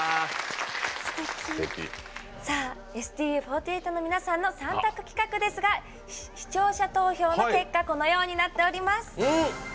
ＳＴＵ４８の皆さんの３択企画ですが視聴者投票の結果このようになっております。